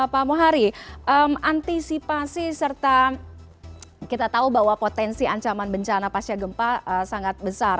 pak muhari antisipasi serta kita tahu bahwa potensi ancaman bencana pasca gempa sangat besar